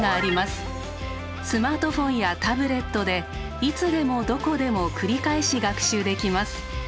スマートフォンやタブレットでいつでもどこでも繰り返し学習できます。